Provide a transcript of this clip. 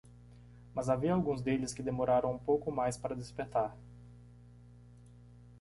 Mas havia alguns deles que demoraram um pouco mais para despertar.